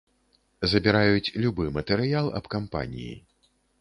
Забіраюць любы матэрыял аб кампаніі.